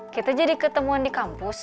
kita jadi ketemuan di kampus